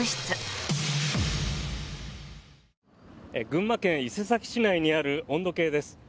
群馬県伊勢崎市内にある温度計です。